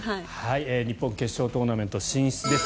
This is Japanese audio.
日本決勝トーナメント進出です。